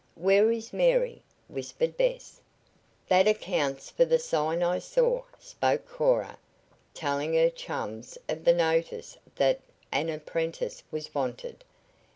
"Where is Mary?" whispered Bess. "That accounts for the sign I saw," spoke Cora, telling her chums of the notice that an apprentice was wanted.